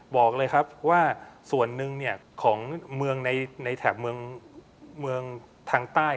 บอกเลยครับว่าส่วนหนึ่งของเมืองในแถบเมืองทางใต้